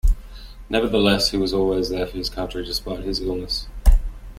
Nevertheless, he was always there for his country despite his illness.